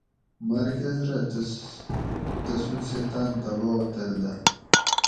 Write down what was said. مرکز رہ تسوں سیتاۤن دباؤ تل دہ